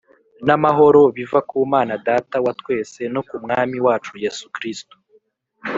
n’amahoro biva ku Mana Data wa twese, no ku Mwami wacu Yesu Kristo.